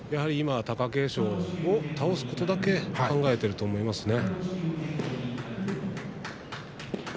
今は貴景勝を倒すことだけ考えていると思いますね。